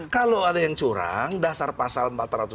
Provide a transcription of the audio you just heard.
kalau ada yang curang dasar pasal empat ratus tujuh puluh